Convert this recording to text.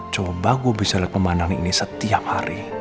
coba gue bisa lihat pemandangan ini setiap hari